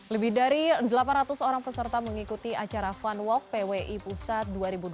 lebih dari delapan ratus orang peserta mengikuti acara fun walk pwi pusat dua ribu dua puluh